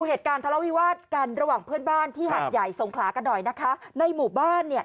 เหตุการณ์ทะเลาวิวาดกันระหว่างเพื่อนบ้านที่หัดใหญ่ทรงคลากันหน่อยนะคะ